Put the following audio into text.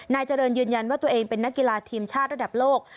นายเจริญยืนยันว่าตัวเองเป็นนักกีฬาทีมชาติระดับโลก